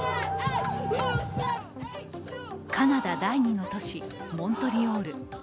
カナダ第２の都市モントリオール。